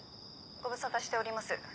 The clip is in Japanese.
ご無沙汰しております